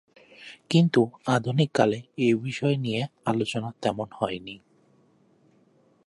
কিন্তু আধুনিক কালে এই বিষয় নিয়ে আলোচনা তেমন হয়নি।